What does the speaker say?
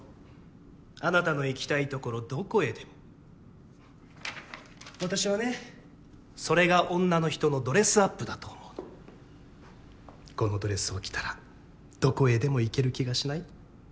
あなたの行きたいところどこへでも私はねそれが女の人のドレスアップだと思うのこのドレスを着たらどこへでも行ける気がしない？